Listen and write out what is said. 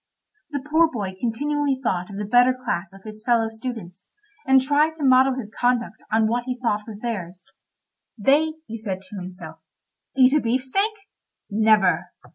The poor boy continually thought of the better class of his fellow students, and tried to model his conduct on what he thought was theirs. "They," he said to himself, "eat a beefsteak? Never."